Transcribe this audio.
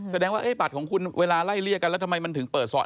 แสดงว่าบัตรของคุณเวลาไล่เลี่ยกันแล้วทำไมมันถึงเปิดสอด